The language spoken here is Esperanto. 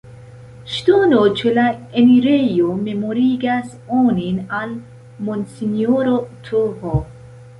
Ŝtono ĉe la enirejo memorigas onin al monsinjoro Th.